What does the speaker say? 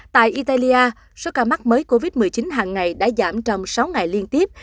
tại italia số ca mắc mới covid một mươi chín hàng ngày đã giảm trong sáu ngày liên tiếp